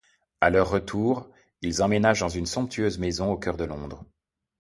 À leur retour, ils emménagent dans une somptueuse maison au cœur de Londres.